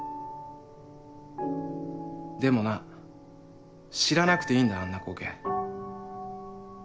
でもな知らなくていいんだあんな光景。